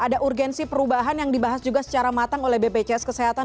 ada urgensi perubahan yang dibahas juga secara matang oleh bpjs kesehatan